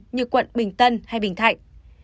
như quận bình tân hay bình thạnh